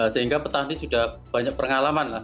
sehingga petani sudah banyak pengalaman lah